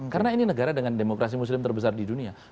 karena ini negara dengan demokrasi muslim terbesar di dunia